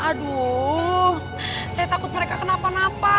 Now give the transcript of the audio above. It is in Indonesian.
aduh saya takut mereka kenapa napa